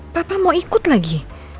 papa mau ikut lagi